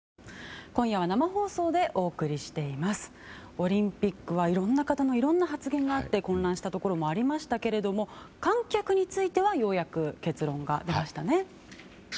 オリンピックはいろんな方のいろんな発言があって混乱したところもありましたけれども観客についてはようやく結論が出ましたね。